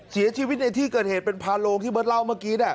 เสียชีวิตในที่เกิดเหตุเป็นพาโรงที่เบิร์ตเล่าเมื่อกี้